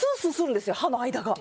歯の間が。